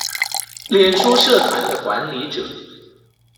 脸书社团的管理者